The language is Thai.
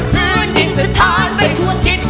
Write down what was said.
เพื่อนรินสถานไปทั่วชิด